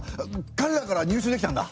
かれらから入手できたんだ！